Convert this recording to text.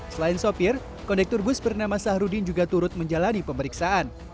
selain sopir kondektur bus bernama saharudin juga turut menjalani pemeriksaan